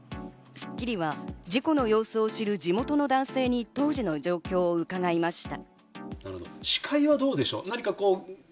『スッキリ』は事故の様子を知る地元の男性に当時の状況を伺いました。